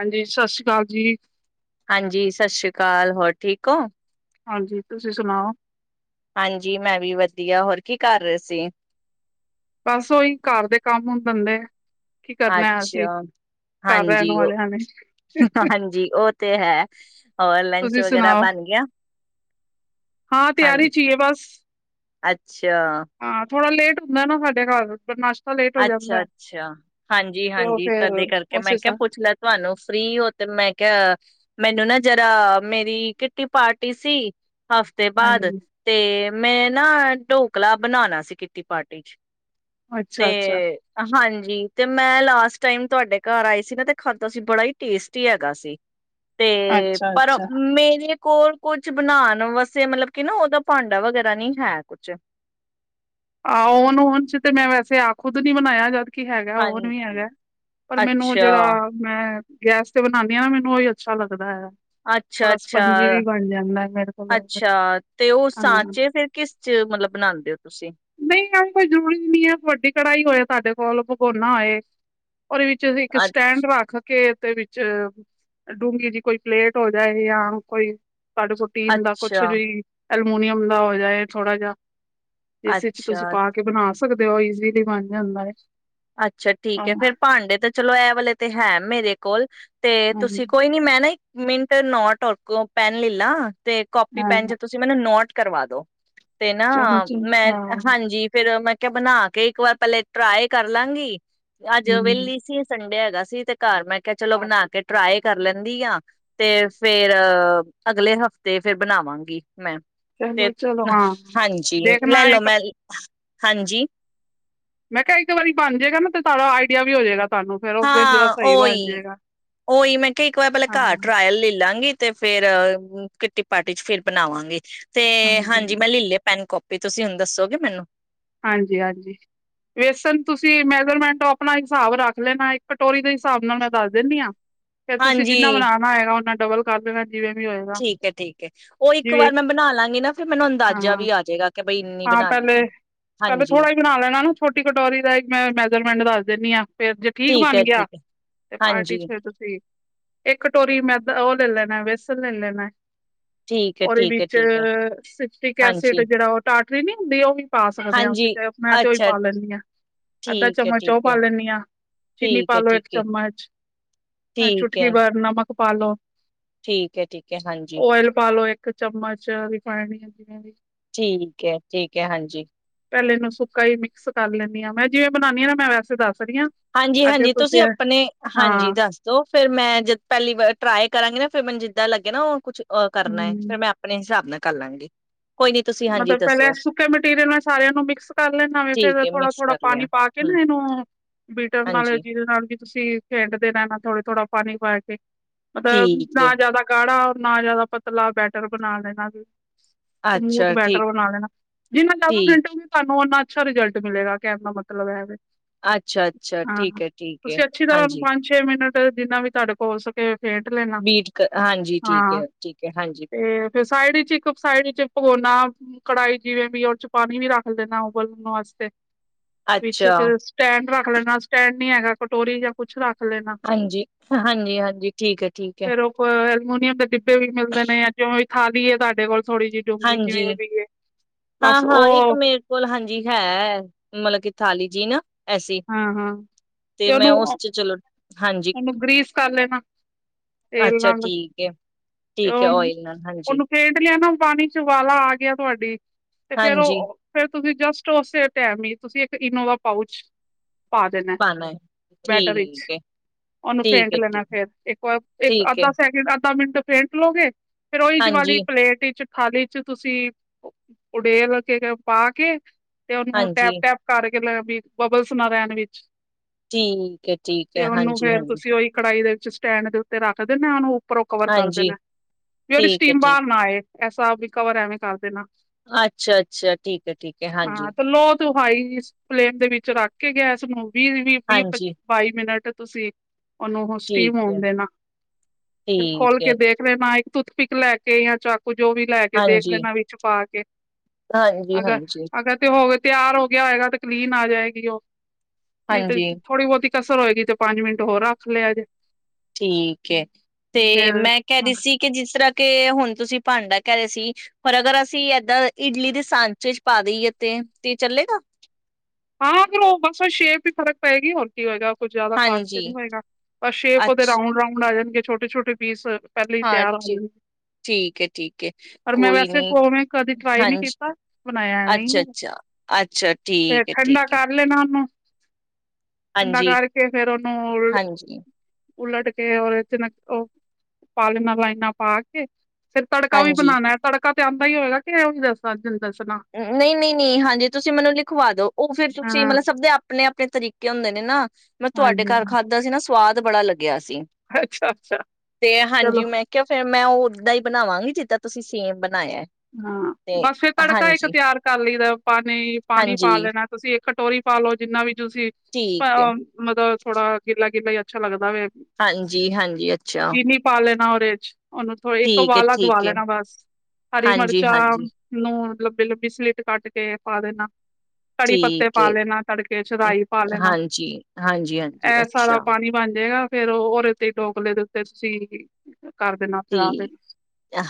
ਹਾਂਜੀ ਸਤਿ ਸ੍ਰੀ ਅਕਾਲ ਜੀ, ਹਾਂਜੀ ਸਤਿ ਸ਼੍ਰੀ ਅਕਾਲ ਜੀ ਹੋਰ ਠੀਕ ਹੋ ਹਾਂਜੀ ਤੁਸੀਂ ਸੁਣਾਓ। ਹਾਂਜੀ ਮੈਂ ਵੀ ਵਧੀਆ ਹੋਰ ਕੀ ਕਰ ਰਹੇ ਸੀ ਬਸ ਉਹੀ ਘਰ ਦੇ ਕੰਮ ਹੁਣ ਦਿੰਦੇ ਐ। ਅੱਛਾ ਰਹਿਣ ਹਾਂਜੀ ਵਾਲਿਆਂ ਨੇ ਹਾਂਜੀ ਉਹ ਤੇ ਹੈ। ਹੋਰ ਲੰਚ ਤੁਸੀਂ ਵਗੈਰਾ ਸੁਣਾਓ, ਬਣ ਗਿਆ ਹਾਂ ਤਿਆਰੀ ਚ ਹੀ ਏ ਬਸ। ਅੱਛਾ ਅੱਛਾ ਹਾਂ ਥੋੜਾ ਲੇਟ ਹੁੰਦਾ ਨਾ ਸਾਡੇ ਘਰਸ਼ ਅੱਛਾ, ਅੱਛਾ, ਹਾਂਜੀ, ਤੇ ਉਹ ਹਾਂਜੀ ਫੇਰ ਤਦੇ ਕਰਕੇ। ਮੈਂ ਉਸੇ ਸ ਕਿਹਾ ਪੁੱਛ ਲਾ ਤੁਹਾਨੂੰ ਫ੍ਰਰੀ ਹੋ ਤੇ ਮੈਂ ਕਿਹਾ ਮੈਨੂੰ ਨਾ ਜਰਾ ਮੇਰੀ ਕਿੱਟੀ ਪਾਰਟੀ ਸੀ। ਹਫ਼ਤੇ ਬਾਅਦ ਹਾਂਜੀ ਤੇ ਮੈਂ ਨਾ ਢੋਕਲਾ ਬਣਾਉਣਾ ਸੀ ਕਿੱਟੀ ਪਾਰਟੀ ਚ। ਅੱਛਾ ਅੱਛਾ। ਜੀ ਤੇ ਮੈਂ ਲਾਸਟ ਟਾਈਮ ਤੁਹਾਡੇ ਘਰ ਆਈ ਸੀ ਨਾ ਤੇ ਖਾਧਾ ਸੀ ਬੜਾ ਹੀ ਟੇਸਟੀ ਹੈਗਾ ਸੀ। ਤੇ ਅੱਛਾ ਪਰ ਅੱਛਾ ਮੇਰੇ ਕੋਰ ਕੁਛ ਬਨਾਣ ਵਾਸਤੇ ਮਤਲਬ ਕਿ ਨਾ ਉਹਦਾ ਭਾਂਡਾ ਵਗੈਰਾ ਨੀ ਹੈ ਕੁਛ। ਆਹੋ ਓਨੂੰ ਉਂਝ ਤੇ ਮੈਂ ਵੈਸੇ ਆਪ ਖੁਦ ਨੀ ਬਨਾਇਆ ਜਦ। ਕੀ ਹੈਗਾ, ਓਨ ਵੀ ਹਾਂਜੀ ਹੈਗਾ, ਪਰ ਮੈਨੂੰ ਉਹ ਅੱਛਾ ਜਿਹੜਾ ਮੈਂ ਗੈਸ ਤੇ ਬਨਾਨੀ ਆਂ ਨਾ ਮੈਨੂੰ ਉਹੀ ਅੱਛਾ ਲੱਗਦਾ ਏ। ਅੱਛਾ, ਅੱਛਾ, ਮੇਰੇ ਕੋਲ ਅੱਛਾ, ਤੇ ਉਹ ਹਾਂ ਸਾਂਚੇ ਫੇਰ ਕਿਸ ਚ ਮਤਲਬ ਬਨਾਂਦੇ ਹੋ ਤੁਸੀਂ। ਨਹੀਂ ਇਹ ਕੋਈ ਜ਼ਰੂਰੀ ਨੀ ਏ ਵੱਡੀ ਕੜਾਈ ਹੋਏ ਤੁਹਾਡੇ ਕੋਲ ਭਗੋਨਾ ਹੋਏ। ਓਹਦੇ ਵਿੱਚ ਵੀ ਇੱਕ ਅੱ- ਸਟੈਂਡ ਰੱਖ। ਕੇ ਦੇ ਵਿੱਚ ਡੂੰਗੀ ਜਈ ਕੋਈ ਪਲੇਟ ਹੋ ਜਾਏ ਜਾਂ ਕੋਈ ਤੁਹਾਡੇ ਸੁਟੀਨ ਦਾ ਕੁੱਛ ਅੱਛਾ ਗਈ। ਅਲਮੂਨੀਅਮ ਦਾ ਹੋ ਜਾਏ ਥੋੜਾ ਜਿਹਾ। ਇਸ ਇਚ ਅੱਛਾ ਤੁਸੀਂ ਪਾ ਕੇ ਬਣਾ ਸਕ ਸਕਦੇ ਓ ਈਜ਼ੀਲੀ ਬਨ ਜਾਂਦਾ ਏ। ਅੱਛਾ, ਠੀਕ ਏ ਫੇਰ ਭਾਂਡੇ ਤਾਂ ਚਲੋ ਇਹ ਵਾਲੇ ਤੇ ਹੈ ਮੇਰੇ ਕੋਲ। ਤੇ ਹਾਂਜੀ ਤੁਸੀਂ ਕੋਈ ਨੀ ਮੈਂ ਨਾ ਇ ਮਿੰਟ ਨੋਟ ਓਰਕੋ ਪੈਨ ਲੈਲਾਂ। ਤੇ ਕਾਪੀ ਪੈਨ ਹਾਂ ਚ ਤੁਸੀਂ ਮੈਨੂੰ ਨੋਟ ਕਰਵਾ ਦੋ। ਤੇ ਨਾ ਚਲੋ ਚਲੋ ਮੈਂ ਹਾਂ ਹਾਂਜੀ ਫਿਰ ਮੈਂ ਕੇ ਬਣਾ ਕੇ ਇੱਕ ਵਾਰ ਪਹਿਲੇ ਟਰਾਏ ਕਰ ਲਾਂਗੀ। ਅੱਜ ਹਮ ਵੇਹਲੀ ਸੀ ਸੰਡੇ ਹੈਗਾ ਸੀ ਸੀ ਤੇ ਘਰ ਮੈਂ ਕਿਹਾ ਚਲੋ ਬਣਾ ਕੇ ਟਰਾਈ ਕਰ ਲੈਂਦੀ ਆ। ਤੇ ਫੇਰ ਅਗਲੇ ਹਫ਼ਤੇ ਫੇਰ ਬਣਾਵਾਂਗੀ। ਮੈਂ ਚਲੋ ਤੇ ਚਲੋ ਹਾਂ ਹਾਂਜੀ ਲੈ ਦੇਖਣਾ ਲੋ ਇੱਕ ਮੈਂ ਹਾਂਜੀ। ਮੈਂ ਕਿਹਾ ਇੱਕ ਵਾਰੀ ਬਨ ਜਾਏਗਾ ਨਾ ਤੇ [unintelligible] ਆਈਡੀਆ ਵੀ ਹੋ ਜਾਇਗਾ। ਹਾਂ ਓਹੀ ਓਹੀ ਮੈਂ ਕਿਹਾ ਇੱਕ ਵਾਰ ਪਹਿਲੇ ਹਾਂ ਘਰ ਟਰਾਇਲ ਲੈ ਲਾਂਗੇ। ਤੇ ਫੇਰ ਕਿੱਟੀ ਪਾਰਟੀ ਚ ਫੇਰ ਬਨਾਵਾਂਗੇ। ਤੇ ਹਾਂਜੀ ਮੈਂ ਲੈ ਲਿਆ ਪੈਨ ਕੋਪੀ ਵੀ ਤੁਸੀਂ ਹੁਣ ਦੱਸੋਗੇ ਮੈਨੂੰ ਹਾਂਜੀ ਹਾਂਜੀ ਵੇਸਨ ਤੁਸੀਂ ਮੈਜਰਮੈਂਟ ਉਹ ਆਪਣਾ ਹਿਸਾਬ ਰੱਖ ਲੈਣਾ ਇੱਕ ਕਟੋਰੀ ਦੇ ਹਿਸਾਬ ਨਾਲ ਮੈਂ ਦੱਸ ਦਿੰਦੀ ਹਾਂ ਫੇਰ ਤੁਸੀਂ ਹਾਂਜੀ ਜਿੰਨਾ ਬਨਾਉਣਾ ਹੋਏਗਾ ਉਹਨਾਂ ਡਬਲ ਕਰ ਦੇਣਾ ਜਿਵੇਂ ਵੀ ਹੋਏਗਾ ਠੀਕ ਹੈ ਠੀਕ ਹੈ ਉਹ ਇੱਕ ਜਿਵੇਂ ਵਾਰ ਮੈਂ ਬਣਾ ਲਾਂਗੀ ਨਾ ਫੇਰ ਮੈਨੂੰ ਹਾਂ ਅੰਦਾਜ਼ਾ ਵੀ ਆ ਜੇਗਾ ਹਾਂ ਪਹਿਲੇ ਪਹਿਲੇ ਥੋੜ੍ਹਾ ਹੀ ਬਣਾ ਲੈਣਾ ਨਾ ਛੋਟੀ ਕਟੋਰੀ ਦਾ ਮੈਂ ਮੈਜਰਮੈਂਟ ਦੱਸ ਧਨੀਆ ਫੇਰ ਜੇ ਠੀਕ ਹੈ ਬਣ ਗਿਆ ਠੀਕ ਹੈ ਤੇ ਪਾਰਟੀ ਚ ਹਾਂਜੀ ਫਿਰ ਤੁਸੀਂ ਇੱਕ ਕਟੋਰੀ ਮੈਂ ਉਹ ਲੈ ਲੈਣਾ ਵੇਸਨ ਲੈ ਲੈਣਾ ਠੀਕ ਹੈ ਉਹ ਦੇ ਠੀਕ ਹੈ ਵਿੱਚ ਠੀਕ ਹੈ ਸੀਟ੍ਰਿਕ ਐਸਿਡ ਹਾਂਜੀ ਜਿਹੜਾ ਉਹ ਟਾਟਰੀ ਨੀ ਹੁੰਦੀ ਉਹ ਵੀ ਪਾ ਸਕਦੇ ਹਾਂ ਅਸੀਂ ਹਾਂਜੀ ਮੈਂ ਤੇ ਉਹੀ ਅੱਛਾ ਪਾ ਲੈਂਦੀ ਹਾਂ ਅੱਧਾ ਠੀਕ ਹੈ ਚਮਚ ਠੀਕ ਉਹ ਪਾ ਹੈ ਲੈਂਦੀ ਹਾਂ ਚੀਨੀ ਠੀਕ ਹੈ ਪਾਲੋ ਇੱਕ ਠੀਕ ਚਮਚ ਚੁਟਕੀ ਹੈ ਭਰ ਨਮਕ ਪਾ ਲੋ ਠੀਕ ਹੈ ਠੀਕ ਹੈ ਹਾਂਜੀ । ਪਾ ਲੋ ਇੱਕ ਚਮਚ ਵੀ ਖਾਣੀ ਆ ਜਿਨੇ ਵੀ ਠੀਕ ਹੈ ਠੀਕ ਹੈ ਹਾਂਜੀ । ਪਹਿਲੇ ਇਹਨੂੰ ਸੁੱਕਾ ਹੀ ਮਿਕਸ ਕਰ ਲੈਂਦੀ ਹਾਂ ਮੈਂ ਜਿਵੇਂ ਬਣਾਉਦੀ ਹਾਂ ਨਾ ਮੈਂ ਵੈਸੇ ਦੱਸ ਰਹੀ ਹਾਂ ਹਾਂਜੀ ਅੱਗੇ ਹਾਂਜੀ ਤੁਸੀਂ ਹਾਂ ਆਪਣੇ ਹਾਂਜੀ ਦੱਸਦੋ ਫੇਰ ਮੈਂ ਜਦ ਪਹਿਲੀ ਵਾਰ ਟਰਾਈ ਕਰਾਂਗੇ ਨਾ ਫੇਰ ਮੈਨੂੰ ਜਿੱਦਾਂ ਲੱਗਿਆ ਨਾ ਉਹ ਕੁਛ ਉਹ ਕਰਨਾ ਫਿਰ ਹਮ ਮੈਂ ਆਪਣੇ ਹਿਸਾਬ ਨਾਲ ਕਰ ਲਾਂਗੇ ਮਤਲਬ ਪਹਿਲੇ ਸੁੱਕੇ ਮਟੀਰੀਅਲ ਨੂੰ ਸਾਰਿਆਂ ਨੂੰ ਮਿਕਸ ਕਰ ਲੈਣਾ ਵੇ ਠੀਕ ਫੇਰ ਹੈ ਥੋੜਾ ਮਿਕਸ ਥੋੜਾ ਕਰ ਲਿਆ ਪਾਣੀ ਪਾ ਕੇ ਹੂੰ ਨਾ ਇਹਨੂੰ ਬੀਟਰ ਨਾਲ ਹਾਂਜੀ ਜਿਹਦੇ ਨਾਲ ਵੀ ਤੁਸੀਂ ਫੈਟ ਦੇ ਰਹਿਣਾ ਨਾ ਥੋੜੇ ਥੋੜਾ ਪਾਣੀ ਪਾ ਕੇ ਮਤਲਬ ਠੀਕ ਹੈ ਨਾ ਜਿਆਦਾ ਗਾੜਾ ਨਾ ਜਿਆਦਾ ਪਤਲਾ ਬੈਟਰ ਬਣਾ ਲੈਣਾ ਵੀ ਅੱਛਾ ਸਮੂਥ ਬੈਟਰ ਠੀਕ ਬਣਾ ਲੈਣਾ ਜਿਹਨਾ ਜਿਆਦਾ ਠੀਕ ਫੈਟੋਗੇ ਤੁਹਾਨੂੰ ਉਹਨਾਂ ਅੱਛਾ ਰਿਜਲਟ ਮਿਲੇਗਾ ਕਹਿਣ ਦਾ ਮਤਲਬ ਹੈਵੇ ਅੱਛਾ ਅੱਛਾ ਠੀਕ ਹੈ ਠੀਕ ਹੈ ਤੁਸੀਂ ਅੱਛੀ ਤਰ੍ਹਾਂ ਉਹਨੂੰ ਹਾਂਜੀ ਪੰਜ ਛੇ ਮਿੰਟ ਜਿੰਨਾ ਵੀ ਤੁਹਾਡੇ ਤੋਂ ਹੋ ਸਕੇ ਫੈਟ ਲੈਣਾ ਬੀਟ ਕ ਹਾਂਜੀ ਠੀਕ ਹਾਂ ਹੈ ਠੀਕ ਹੈ ਹਾਂਜੀ ਤੇ ਫਿਰ ਸਾਈਡ ਚ ਇੱਕ ਸਾਈਡ ਚ ਪੌ ਕੜਾਹੀ ਜਿਵੇਂ ਵੀ ਉਸ ਚ ਪਾਣੀ ਵੀ ਰੱਖ ਦੇਣਾ ਉਬਲਣ ਵਾਸਤੇ ਪਿੱਛੇ ਅੱਛਾ ਤੇ ਸਟੈਂਡ ਰੱਖ ਦੇਣਾ ਸਟੈਂਡ ਨੀ ਹੈਗਾ। ਕਟੋਰੀ ਜਾਂ ਕੁੱਛ ਰੱਖ ਹ [unintelligible] ਹਾਂਜੀ ਹਾਂਜੀ-ਹਾਂਜੀ ਠੀਕ ਹੈ ਠੀਕ ਹੈ ਫਿਰ ਉਹ ਕੋ ਐਲਮੂਨੀਅਮ ਦੇ ਡਿੱਬੇ ਵੀ ਮਿਲਦੇ ਨੇ ਜਾਂ ਜੋ ਥਾਲੀ ਏ ਤੁਹਾਡੇ ਕੋਲ ਥੋੜੀ ਜਿਹੀ ਜਿਵੇਂ ਜੀ। ਵੀ ਹੈ ਹਾਂ, ਬਸ ਹਾਂ। ਇੱਕ ਉਹ ਮੇਰੇ ਕੋਲ ਹਾਂਜੀ ਹੈ। ਮਤਲਬ ਕਿ ਥਾਲੀ। ਟੀਨਾ। ਹਾਂ, ਹਾਂ। ਤੇ ਉਹਨੂੰ ਉਸ ਓਹ। ਚ ਚਲੋ ਹਾਂਜੀ ਇਹਨੂੰ ਗ੍ਰੀਸ ਕਰ ਲੇਨਾ, ਤੇਲ ਅੱਛਾ ਨਾਲ। ਠੀਕ ਹੈ ਤੇ ਠੀਕ ਹੈ ਓਹ ਓਇਲ ਨਾਲ ਹਾਂਜੀ ਓਹਨੂੰ ਫੈਂਟ ਲਿਆ ਨਾ। ਪਾਣੀ ਚ ਵਾਲਾ ਆ ਗਿਆ ਤੁਹਾਡੀ ਤੇ ਫੇਰ ਹਾਂਜੀ ਉਹ ਫੇਰ ਤੁਸੀਂ ਜਸਟ ਉਸੇ ਟਾਈਮ ਹੀ ਤੁਸੀਂ ਇੱਕ ਇਨੋਵਾ ਪਾਊਚ ਪਾ ਦਿਨਾ ਪਾਣਾ ਹੈ ਬੈਟਰ ਵਿੱਚ ਠੀਕ ਹੈ ਉਹਨੂੰ ਠੀਕ ਫੇਂਟ ਹੈ ਲੈਣਾ ਠੀਕ ਠੀਕ ਹੈ ਅੱਧਾ ਸ ਅੱਧਾ ਮਿੰਟ ਫੇਟ ਲੋਗੇ ਫਿਰੋਈ ਜ ਵਾਲੀ ਹਾਂਜੀ ਪਲੇਟ ਵਿੱਚ ਥਾਲੀ ਚ ਤੁਸੀਂ ਉਡੇਲ ਕੇ ਪਾ ਕੇ ਤੇ ਉਹਨੂੰ ਟੈਪ ਹਾਂਜੀ ਟੈਪ ਕਰ ਵੀ [unintelligible] ਬਬਲਸ ਨਾ ਰਹਿਣ ਵਿੱਚ ਠੀਕ ਹੈ, ਠੀਕ ਤੇ ਹੈ। ਉਹਨੂੰ ਹਾਂਜੀ, ਫੇਰ ਹਾਂਜੀ। ਤੁਸੀਂ ਉਹੀ ਕੜਾਹੀ ਦੇ ਵਿੱਚ ਸਟੈਂਡ ਦੇ ਉੱਤੇ ਰੱਖਦੇ ਨ ਨੂੰ ਉਹ ਉਪਰੋਂ ਕਵਰ ਕਰਦੇ ਹਾਂਜੀ ਨੇ ਵੀ ਉਹਦੀ ਹਾਂਜੀ ਠੀਕ ਹੈ ਸਟੀਮ ਠੀਕ ਬਾਹਰ ਨਾ ਆਏ। ਐਸਾ ਵੀ ਕਵਰ ਐਵੇਂ ਕਰਦੇ ਨਾ ਅੱਛਾ ਅੱਛਾ ਠੀਕ ਹੈ ਠੀਕ ਹੈ ਹਾਂ ਹਾਂਜੀ ਤੇ ਲੋ ਹਾਈ ਫਲੇਮ ਦੇ ਵਿੱਚ ਚੁਰਾਕ ਕੇ ਗੈਸ ਨੂੰ ਵੀਹ, ਵੀਹ, ਵੀਹ ਹਾਂਜੀ ਬਾਈ ਮਿੰਟ ਤੁਸੀਂ ਉਹਨੂੰ ਉਹ ਠੀਕ ਸਟੀਮ ਹੋਣ ਹੈ ਦੇਣਾ ਫਿਰ ਖੋਲ ਠੀਕ ਕੇ ਹੈ ਦੇਖਦੇ ਨਾ ਇੱਕ ਟੂੱਥਪਿਕ ਲੈ ਕੇ ਜਾਂ ਚਾ ਕੁਝ ਜੋ ਵੀ ਲੈ ਕੇ ਦੇਖ ਹਾਂਜੀ ਲੈਣਾ ਵਿੱਚ ਪਾ ਕੇ। ਹਾਂਜੀ ਅਗਰ, ਹਾਂਜੀ ਅਗਰ ਤੇ ਹੋਵੇ ਤਿਆਰ ਹੋ ਗਿਆ ਹੋਏਗਾ ਤਕਲੀਨ ਆ ਜਾਏ ਹਾਂਜੀ [unintelligible] ਥੋੜੀ ਬਹੁਤੀ ਕਸਰ ਹੋਏਗੀ ਤੇ ਪੰਜ ਮਿੰਟ ਹੋਰ ਰੱਖ ਲਿਆ ਜੇ। ਠੀਕ ਏ ਤੇ ਫੇਰ ਮੈਂ ਕਹਿ ਰਹੀ ਸੀ ਕਿ ਜਿਸ ਤਰ੍ਹਾਂ ਕੇ ਹੁਣ ਤੁਸੀਂ ਭਾਂਡਾ ਕਹਿ ਰਹੇ ਸੀ ਪਰ ਅਗਰ ਅਸੀਂ ਏਦਾਂ ਇਡਲੀ ਦੇ ਸਾਂਚੇ 'ਚ ਪਾ ਦੇਈਏ ਤੇ- ਤੇ ਚੱਲੇਗਾ। ਹਾਂ ਫੇਰ ਉਹ ਬਸ ਸ਼ੇਪ ਵੀ ਫ਼ਰਕ ਪਏਗੀ ਹੋਰ ਕੀ ਹੋਏਗਾ। ਕੁਝ ਜਿਆਦਾ ਖਾਸ ਤੇ ਹਾਂਜੀ ਨੀ ਹੋਏਗਾ ਪਰ ਸ਼ੇਪ ਉਹਦੇ ਅੱਛ ਰਾਂਡ ਰਾਉਂਡ ਆ ਜਾਂ ਕੇ ਛੋਟੇ ਛੋਟੇ ਪੀਸ ਪਹਿਲੇ ਹੀ ਹਾਂ ਤਿਆਰ ਆ ਠੀ ਜਾਣਗੇ ਠੀਕ ਹੈ, ਠੀਕ ਹੈ ਪਰ ਮੈਂ ਕੋਈ ਵੈਸੇ ਨੀ ਉਵੇਂ ਕਦੀ ਟਰਾਈ ਨਹੀਂ ਹਾਂਜੀ ਕੀਤਾ ਬਣਾਇਆ ਐਵੇਂ ਹੀ ਹੈ। ਅੱਛਾ-ਅੱਛਾ -ਅੱਛਾ ਫੇਰ ਠੀਕ ਏ। ਠੰਡਾ ਠੀਕ ਏ ਕਰ ਲੈਨਾ। ਹ ਠੰਡਾ ਹਾਂਜੀ ਕਰਕੇ ਫੇਰ ਉਹਨੂੰ ਹਾਂਜੀ ਉਲਟ ਕੇ ਔਰ ਇਹਦੇ 'ਚ ਨਾ ਉਹ ਪਾ ਲੈਣਾ ਲਾਈਨਾਂ ਪਾ ਕੇ ਫਿਰ ਤੜਕਾ ਵੀ ਹਾਂਜੀ। ਬਣਾਨਾ ਤੜਕਾ ਤੇ ਆਂਦਾ ਹੀ ਹੋਏਗਾ ਕਿ ਉਵੀ ਦੱਸਾਂ ਚਲ ਨਹੀਂ-ਨਹੀਂ -ਨਹੀਂ ਹਾਂਜੀ ਤੁਸੀਂ ਮੈਨੂੰ ਲਿਖਵਾ ਦੋ। ਉਹ ਫਿਰ ਤੁਸੀਂ ਹਾਂ ਮਤਲਬ ਸਭ ਦੇ ਆਪਣੇ ਆਪਣੇ ਤਰੀ ਫਿੱਕੇ ਹੁੰਦੇ ਨੇ ਨਾ। ਮੈਂ ਤੁਹਾਡੇ ਹਾਂਜੀ ਘਰ ਖਾਧਾ ਸੀ ਨਾ ਸ ਸਵਾਦ ਬੜਾ ਲੱ ਗਿਆ ਸੀ ਅੱਛਾ ਅੱਛਾ ਤੇ ਚਲੋ ਹਾਂਜੀ ਮੈਂ ਕਿਹਾ ਫੇਰ ਮੈਂ ਓਦਾਂ ਹੀ ਬਣਾਵਾਂਗੀ ਜਿੱ ਤਾਂ ਤੁਸੀਂ ਸੇਮ ਬ ਹਾਂ ਬੱਸ ਫਿਰ ਤੜਕਾ ਇੱਕ ਤੇ ਹਾਂਜੀ ਤਿਆਰ ਕਰ ਲਈ ਦਾ ਪਾਣੀ, ਪਾਣੀ ਪਾ ਹਾਂਜੀ ਲੈਣਾ ਤੁਸੀਂ ਇੱਕ ਕਟੋਰੀ ਪਾ ਲਓ ਜਿੰਨਾ ਵੀ ਜ ਠੀਕ ਹੈ ਮਦ ਥੋੜਾ ਗਿਲਾ ਕੀ ਬਈ ਅੱਛਾ ਲਗ [unintelligible] ਹਾਂਜੀ ਹਾਂਜੀ ਅੱਛਾ ਚੀਨੀ ਪਾ ਲੈਨਾ ਉ ਵਿੱਚ ਉਹਨੂੰ ਥੋਈ ਇੱਕ ਠੀਕ ਹੈ ਵਾਲਾ ਦਵਾ ਠੀਕ ਹੈ ਲੈਣਾ ਬਸ ਹਰੀ ਹਾਂਜੀ ਮਿਰਚਾਂ ਹਾਂਜੀ ਨੂੰ ਹੁਣ [unintelligible] ਕੱਟ ਕੇ ਪਾ ਦੇਣਾ। ਕੜੀ ਪੱਤੇ ਠੀਕ ਪਾ ਹੈ ਲੈਣਾ ਤੜਕੇ ਚ, ਰਈ ਪਾ ਲੈਣਾ ਹਾਂਜੀ ਹਾਂਜੀ ਹਾਂਜੀ ਇਹ ਸਾਰਾ ਅੱਛਾ ਪਾਣੀ ਬਣ ਜਾਏਗਾ। ਫੇਰ ਉਹ ਰੇ ਤੇ ਡੋਗਲੇ ਦੇ ਉੱਤੇ ਤਸੀ ਠੀਕ,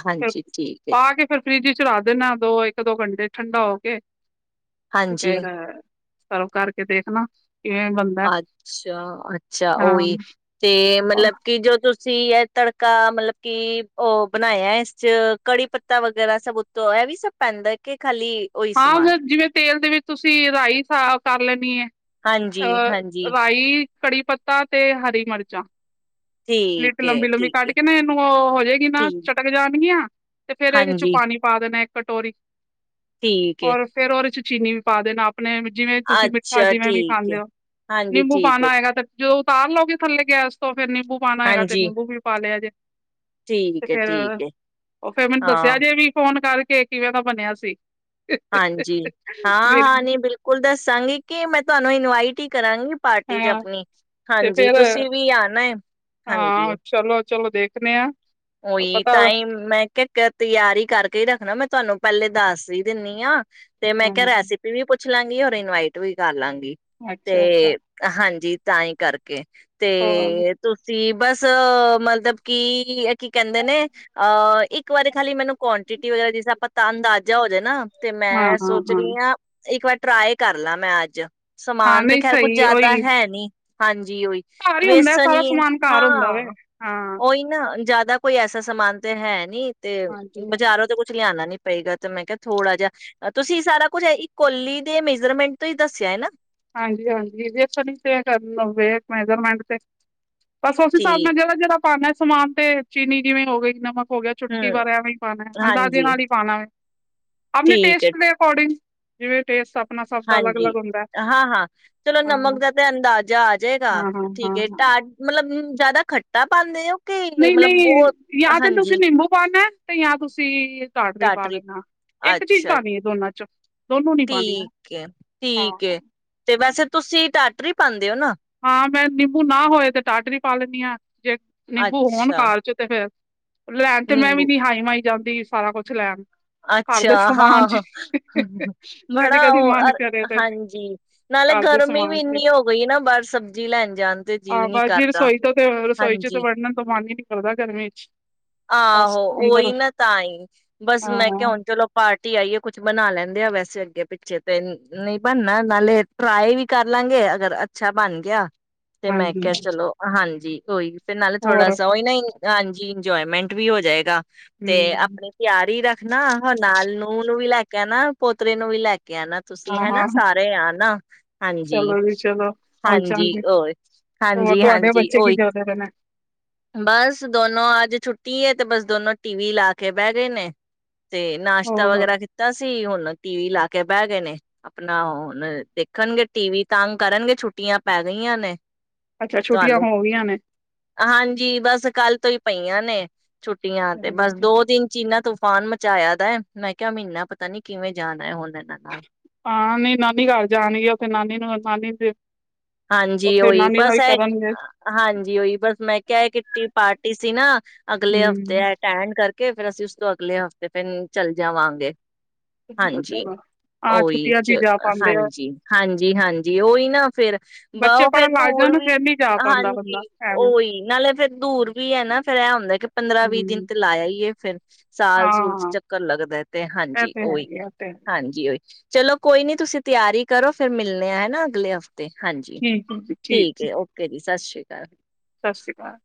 ਹਾਂਜੀ ਠੀਕ ਹੈ। ਆ ਕੇ ਫਿਰ ਫਰਿਜ ਚ ਰੱਖ ਦੇਨਾ ਦੋ ਇੱਕ ਦੋ ਘੰਟੇ ਠੰਡਾ ਹੋ ਕੇ ਹਾਂਜੀ ਫੇਰ, ਸਰਬ ਕਰਕੇ ਦੇਖਣਾ। ਕਿਵੇਂ ਬਣਦਾ ਅੱਛਾ ਅੱਛਾ ਹਾਂ ਉਹੀ, ਤੇ ਮਤਲਬ ਕਿ ਜੋ ਤੁਸ ਤੁਸੀ ਇਹ ਤੜਕਾ ਮਤਲਬ ਕਿ ਉਹ ਬਣਾਇਆ ਹੈ, ਇਸ ਚ ਕੜੀ ਪੱਤਾ ਵਗੈਰਾ ਸਭ ਉੱਤੋਂ ਇਹ ਵੀ ਸਭ ਪੈਂਦਾ ਹੈ, ਕਿ ਖਾਲੀ ਉਹੀ ਸਮਾਨ ਹਾਂ ਜਿਵੇਂ ਤੇਲ ਦੇ ਵਿੱਚ ਤੁਸੀਂ ਰਾਈ ਸਾਫ ਕਰ ਲੈਣੀ ਹੈ ਆ ਹਾਂਜੀ-ਹਾਂਜੀ, ਰਾਈ ਕੜੀ ਪੱਤਾ ਤੇ ਹਰੀ ਮਿਰਚਾਂ। ਠੀਕ [unintelligible] ਏ, ਲੰਬੀ ਲੰਬੀ ਠੀਕ ਕਟ ਏ, ਕੇ ਨਾ ਇਹਨੂੰ ਉਹ ਹੋ ਜਾਏਗੀ, ਨਾ ਠੀਕ ਚਟਕ ਜਾਣਗੀਆਂ ਤੇ ਫੇਰ ਇਹਦੇ ਚ ਹਾਂਜੀ, ਪਾਣੀ ਪਾ ਦੇਣਾ। ਕਟੋਰੀ ਠੀਕ ਏ, ਹੋਰ ਫੇਰ ਉਦੇ ਚ ਚੀਨੀ ਵੀ ਪਾ ਦੇਣਾ। ਆਪਣੇ ਜਿਵੇਂ ਤੁਸੀਂ ਮਿੱਠਾ ਅੱਛਾ ਜਿਵੇਂ ਵੀ ਠੀਕ ਏ। ਖਾਂਦੇ ਹੋ, ਹਾਂਜੀ ਨਿੰਬੂ ਠੀਕ ਏ, ਪਾਉਣਾ ਹੋਏਗਾ ਤੇ ਜਦੋਂ ਉਤਾਰ ਲਓਗੇ ਥੱਲੇ ਗੈਸ ਤੋਂ ਫੇਰ ਨੀਬੁ ਪਾਣਾ ਹੇਗਾ ਤੇ ਹਾਂਜੀ, ਨਿੰਬੂ ਵੀ ਪਾ ਲਿਆ ਜੇ। ਤੇ ਠੀਕ ਏ, ਫਿਰ ਠੀਕ ਏ, ਉਹ ਫਿਰ ਮੈਨੂੰ ਦੱਸਿਆ ਹਾਂ, ਜੇ ਵੀ ਕੌਣ ਕਰਕੇ ਕਿਵੇਂ ਦਾ ਬਣਿਆ ਸੀ। ਹਾਂਜੀ ਹਾਂ ਮੇਰੀ ਹਾਂ ਨੀ ਬਿਲਕੁਲ ਦੱਸਾਂਗੀ, ਕਿ ਮੈਂ ਤੁਹਾਨੂੰ ਇਨਵਾਈਟ ਹੀ ਕਰਾਗੀ ਪਾਰਟੀ ਚ ਹਾਂ ਆਪਣੀ ਤੇ ਹਾਂਜੀ ਫੇਰ ਤੁਸੀਂ ਵੀ ਆਣਾ ਹੈ, ਹਾਂਜੀ। ਚਲੋ ਦੇਖਣੇ ਆਂ। ਉਹੀ ਤਾਂਹੀ ਮੈਂ ਕਿਹਾ ਤਿਆਰੀ ਕਰਕੇ ਰੱਖਣਾ ਮੈਂ ਤੁਹਾਨੂੰ ਪਹਿਲੇ ਦੱਸ ਹੀ ਦਿੰਨੀ ਆ ਤੇ ਮੈਂ ਕਿਹਾ ਹਾਂਜੀ ਰੈਸਪੀ ਵੀ ਪੁੱਛ ਲਾਗੀ ਔਰ ਇਨਵਾਈਟ ਵੀ ਕਰ ਲਾਂਗੀ। ਤੇ ਅੱਛਾ-ਅੱਛਾ ਹਾਂਜੀ, ਤਾਂ ਹੀ ਕਰਕੇ ਹੋਰ ਤੇ ਤੁਸੀਂ ਬਸ ਮਤਲਬ ਕਿ ਕੀ ਕਹਿੰਦੇ ਨੇ, ਅਹ ਇੱਕ ਵਾਰੀ ਖਾਲੀ ਮੈਨੂੰ ਕੁਆਂਟਿਟੀ ਵਗੈਰਾ ਪਤਾ ਅੰਦਾਜ਼ਾ ਹੋਜੇ ਨਾ ਤੇ ਹਾਂ, ਮੈਂ ਹਾਂ, ਸੋਚ ਰਹੀ ਹਾਂ ਇੱਕ ਵਾਰ ਟਰਾਈ ਕਰਲਾ ਮੈਂ ਅੱਜ ਹਾਂ ਸਮਾਨ ਤੇ ਨਹੀਂ ਖੈਰ ਕੁੱਝ ਸਹੀ ਜ਼ਿਆਦਾ ਉਹੀ ਹੈ ਨੀ। ਹਾਂਜੀ। ਹਾਂਜੀ ਉਹੀ ਘਰ ਹੀ ਹੁੰਦਾ ਵੇਸਣ ਸਾਰਾ ਈ ਐ ਸਮਾਨ ਘਰ ਹੁੰਦਾ ਵੇ ਹਾਂ ਹਾਂ ਓਹੀ ਨਾ। ਜ਼ਿਆਦਾ ਕੋਈ ਐਸਾ ਸਮਾਨ ਤੇ ਹੈ ਨੀ ਤੇ ਹਾਂਜੀ, ਬਾਜ਼ਾਰੋਂ ਤੇ ਕੁੱਛ ਲਿਆਉਣਾ ਨੀ ਪਏਗਾ ਤੇ ਮੈਂ ਕਿਹਾ ਥੋੜਾ ਜਿਹਾ ਤੁਸੀਂ ਸਾਰਾ ਕੁਛ ਇੱਕ ਕੋੱਲੀ ਦੇ ਮੇਜਰਮੈਂਟ ਤੋਂ ਹੀ ਦੱਸਿਆ ਹੈ ਨਾ। ਹਾਂਜੀ ਹਾਂਜੀ ਇਹ [unintelligible] ਮੈਜਰਮੈਂਟ ਤੇ ਬਸ ਉਸ ਹਿਸਾਬ ਨਾਲ ਠੀਕ ਜਿਹੜਾ ਜਿਹੜਾ ਪਾਉਣਾ ਸਮਾਨ ਤੇ ਚੀਨੀ ਜਿਵੇਂ ਹੋ ਗਈ ਨਮਕ ਹੋ ਗਿਆ ਚੁੱਟਕੀ ਹਮ ਵਾਲਾ ਭਰ ਐਵੇਂ ਹੀ ਪਾਣਾ ਅੰਦਾਜ਼ੇ ਹਾਂਜੀ ਨਾਲ ਹੀ ਪਾਣਾ ਵੈ। ਆਪਣੇ ਠੀਕ ਹੈ ਟੇਸਟ ਦੇ ਅਕੋਡਿੰਗ ਜਿਵੇਂ ਤੇ ਸਬ ਆਪਣਾ ਸਬ ਦਾ ਹਾਂਜੀ ਅਲੱਗ-ਅਲੱਗ ਹੁੰਦਾ। ਹਾਂ ਹਾਂ, ਚਲੋ ਹਾਂ, ਨਮਕ ਦਾ ਤੇ ਅੰਦਾਜ਼ਾ ਆ ਜਾਏਗਾ ਹਾਂ, ਹਾਂ, ਠੀਕ ਹਾਂ, ਹੈ ਹਾਂ ਟਾ ਮਤਲਬ ਅਮ ਜਿਆਦਾ ਖੱਟਾ ਪਾਂਦੇ ਓ? ਨਹੀਂ ਨਹੀਂ ਯਾ ਤੇ ਤੁਸੀਂ ਨਿੰਬੂ ਪਾਣਾ ਏ ਤੇ ਜਾਂ ਤੁਸੀਂ ਟਾਡਰੀ ਪਾ ਟਾਟਰੀ ਲੈਣਾ, ਇੱਕ ਚੀਜ਼ ਅੱਛਾ ਪਾਣੀ ਹੈ ਦੋਨਾਂ ਚ। ਠੀਕ ਐ। ਠੀਕ ਐ। ਹਾਂ-ਹਾਂ ਤੇ ਬਸ ਤੁਸੀਂ ਟਾਟਰੀ ਪਾਂਦੇ ਓ ਨਾ। ਹਾਂ ਮੈਂ ਨਿੰਬੂ ਨਾ ਹੋਏ ਤੇ ਟਾਡਰੀ ਪਾ ਲੈਂਨੀ ਆ। ਜੇ ਨਿੰਬੂ ਹੋਣ ਅੱਛਾ ਪਾਲ ਚ ਤੇ ਫੇਰ ਲੈਣ ਤੇ ਮੈਂ ਵੀ ਨਿੰਬੂ ਨੀ ਹਾਈ ਮਾਈ ਜਾਂਦੀ ਸਾਰਾ ਕੁਛ ਲੈਣ। ਘਰ ਅੱਛਾ ਦੇ ਸਮਾਨ ਚ ਹਾਂ। ਬੜਾ ਕਦੀ-ਕਦੀ ਉਹ ਮਨ ਕਰੇ ਤੇ ਅ-ਹਾਂਜੀ। ਨਾਲੇ ਗਰਮੀ ਵੀ ਇੰਨੀ ਹੋ ਗਈ ਨਾ ਬਾਹਰ ਸਬਜ਼ੀ ਲੈਣ ਜਾਣ ਤੇ ਜੀਅ ਆ ਨੀ ਬਸ ਜੀ ਕਰਦਾ ਰਸੋਈ ਤੋਂ ਤੇ ਰਸੋਈ ਚ ਤੇ ਹਾਂਜੀ ਵੜਨ ਤੋਂ ਮਨ ਹੀ ਨੀ ਲਦਾ ਗਰਮੀ ਵਿੱਚ ਆਹੋ ਓਹੀ ਨਾ ਤਾਂ ਹੀ, ਬਸ ਹਾਂ ਮੈਂ ਕਿਹਾ ਹੁਣ ਚਲੋ ਪਾਰਟੀ ਆਈ ਏ ਕੁਛ ਬਨਾ ਲੈਂਦੇ ਆ ਵੈਸੇ ਚ ਅੱਗੇ ਪਿੱਛੇ ਤੇ ਨ-ਨਹੀਂ ਬਣਨਾ। ਨਾਲੇ ਟਰਾਈ ਵੀ ਕਰ ਲਾਂਗੇ ਅਗਰ ਅੱਛਾ ਬਣ ਗਿਆ ਤੇ ਮੈਂ ਹਾਂਜੀ ਕਿਹਾ ਹਾਂਜੀ ਚਲੋ ਹਾਂਜੀ ਕੋਈ ਤੇ ਨਾਲੇ ਥੋੜਾ ਹੋਰ ਸਾ ਓ ਨਈ ਹਾਂਜੀ [unintelligible] ਇੰਜੋਏਮੈਂਟ ਵੀ ਹੋ ਜਾਏਗਾ। ਤੇ ਹੂੰ ਆਪਣੇ ਤਿਆਰ ਹੀ ਰੱਖਣਾ [unintelligible] ਨਾਲ ਨੂੰ ਨੂੰਹ ਨੂੰ ਵੀ ਲੈ ਕੇ ਆ ਨਾ ਪੋਤਰੇ ਨੂੰ ਵੀ ਲੈ ਕੇ ਕਿਆ ਨਾ ਤੁਸੀਂ ਹਨਾ ਹਾਂ-ਹਾਂ ਸਾਰੇ ਆ ਨਾ, ਹਾਂਜੀ ਚਲੋ ਜੀ ਚਲੋ ਹਾਂਜੀ ਪਹੁੰਚਾਂਗੇ ਓਹੀ ਹੋਰ ਹਾਂਜੀ, ਤੁਹਾਡੇ ਹਾਂਜੀ ਬੱਚੇ ਕੀ ਓਹੀ। ਕਰਦੇ ਪਏ ਨੇ ਬਸ ਦੋਨੋ ਅੱਜ ਛੁੱਟੀ ਹੈ, ਤੇ ਬਸ ਦੋਨੋ ਟੀ ਵੀ ਲਾ ਕੇ ਬਹਿ ਗਏ ਨੇ। ਤੇ ਨਾਸ਼ਤਾ ਹੋਰ ਵਗੈਰਾ ਕੀਤਾ ਸੀ ਹੁਣ ਟੀ ਵੀ ਲਾ ਕੇ ਬਹਿ ਗਏ ਨੇ। ਆਪਣਾ ਹੁਣ ਦੇਖਣਗੇ ਟੀਵੀ, ਤੰਗ ਕਰਨਗੇ ਛੁੱਟੀਆਂ ਪੈ ਗਈਆਂ ਨੇ। ਅੱਛਾ ਛੁੱਟੀਆਂ ਹੋ ਗਈਆਂ ਨੇ। ਜੀ ਬਸ ਕੱਲ ਤੋਂ ਈ ਪਈਆਂ ਨੇ। ਛੁੱਟੀਆਂ ਤੇ ਚਲੋ ਬਸ ਚਲੋ ਦੋ-ਤਿੰਨ ਚੀਨਾਂ ਤੂਫਾਨ [unintelligible] ਦਾ ਮੈਂ ਕਿਹਾ ਮਹੀਨਾ ਪਤਾ ਨੀ ਕਿਵੇਂ ਜਾਣਾ ਹੈ ਹੁਣ ਇਹਨਾਂ ਨਾਲ ਹਾਂ ਨੀ ਨਾਨੀ ਘਰ ਜਾਣਗੇ ਉੱਥੇ ਨਾਨੀ ਨੂੰ ਨਾਨੀ ਦੇ ਹਾਂਜੀ ਉੱਥੇ ਓਹੀ ਨਾਨੀ ਦਾ ਬਸ ਵੀ ਇਹ ਕਰਨਗੇ ਹਾਂਜੀ ਓਹੀ ਬਸ ਮੈਂ ਕਹਿ ਕੀਟੀ ਪਾਰਟੀ ਟੀ ਸੀ ਨਾ ਅਗਲੇ ਹਫ਼ਤੇ ਹਮ ਹੈ ਟੇਨ ਕਰਕੇ ਕੇ ਫਿਰ ਅਸੀਂ ਉਸ ਤੋਂ ਅਗਲੇ ਹਫ਼ਤੇ ਫਿਰ ਚੱਲ ਜਾਵਾਂਗੇ ਚਲੋ ਹਾਂਜੀ, ਚਲੋ ਹਾਂ ਉਹੀ ਛੁੱਟੀਆਂ ਹੀ ਚ ਜਾ ਪਾਉਂਦੇ ਆ ਹਾਂਜੀ, ਹਾਂਜੀ, ਹਾਂਜੀ ਉਹੀ ਨਾ ਫੇਰ ਬ ਬੱਚੇ ਉਹ ਫੇਰ ਪੜ੍ਹਨ ਲੱਗ ਦੂਰ ਜਾਣ ਵੀ, ਫੇਰ ਨੀ ਜਾ ਪਾਉਂਦਾ ਬੰਦਾ ਹਾਂਜੀ ਐਵੇਂ ਉਹੀ ਨਾਲੇ ਫੇਰ ਦੂਰ ਵੀ ਏ ਨਾ ਫੇਰ ਇਹ ਹੁੰਦਾ ਕਿ ਪੰਦਰਾਂ ਵੀਹ ਦਿਨ ਹਮ ਤੇ ਲਾ ਆਈਏ ਫੇਰ ਸਾਲ ਸੂਲ ਚ ਹਾਂ ਚੱਕਰ ਲੱਗਦਾ ਤੇ। ਇਹ ਹਾਂਜੀ, ਤੇ ਹੈ ਓਹੀ ਹੀ ਆ ਇਹ ਤੇ ਹੈ। ਹਾਂਜੀ, ਓਹੀ ਚੱਲੋ ਕੋਈ ਨਹੀ ਤੁਸੀਂ ਤਿਆਰੀ ਕਰੋ ਫੇਰ ਮਿਲਣੇ ਆ ਹਨਾ ਅਗਲੇ ਹਫ਼ ਹਾਂਜੀ, ਠੀਕ ਹੈ ਜੀ ਠੀਕ ਏ, ਓਕੇ ਜੀ, ਸਤਿ ਸ਼੍ਰੀ [inaudible] ਸਤਿ ਸ਼੍ਰੀ ਅਕਾਲ।